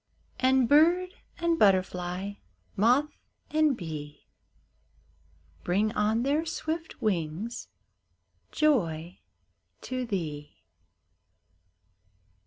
And bird and butterfly, moth and bee, Bring on their swift wings joy to thee